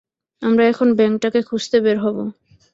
আমরা এখন ব্যাঙটাকে খুঁজতে বের হবো!